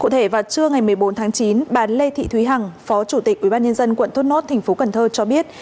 cụ thể vào trưa ngày một mươi bốn tháng chín bà lê thị thúy hằng phó chủ tịch ubnd quận thốt nốt tp cnh cho biết